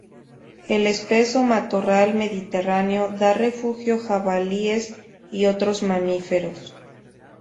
El espeso matorral mediterráneo da refugio jabalíes y otros mamíferos.